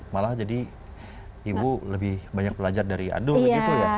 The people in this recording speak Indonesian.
malah jadi ibu lebih banyak belajar dari adul gitu ya